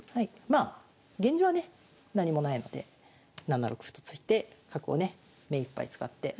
まあ現状はね何もないので７六歩と突いて角をね目いっぱい使って。